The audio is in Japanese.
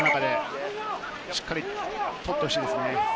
しっかり取ってほしいですね。